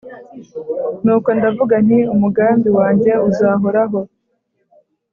nuko ndavuga nti «umugambi wanjye uzahoraho,